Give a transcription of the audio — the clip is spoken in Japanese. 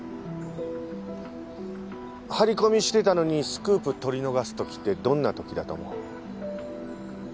張り込みしてたのにスクープ撮り逃す時ってどんな時だと思う？